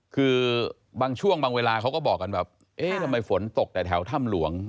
คือบางช่วงบางเวลาเขาก็บอกกันแบบเอ๊ะทำไมฝนตกแต่แถวถ้ำหลวง